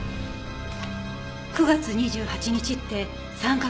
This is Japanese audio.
９月２８日って３カ月前。